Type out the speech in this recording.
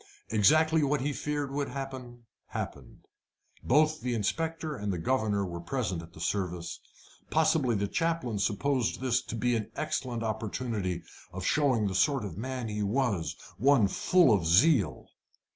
Exactly what he feared would happen, happened. Both the inspector and the governor were present at the service. Possibly the chaplain supposed this to be an excellent opportunity of showing the sort of man he was one full of zeal.